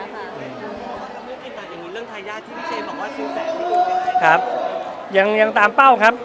เรื่องไทยยาที่เจมส์บอกว่าซื้อแสนครับยังยังตามเป้าครับ